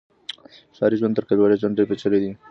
ښاري ژوند تر کلیوالي ژوند ډیر پیچلی دی.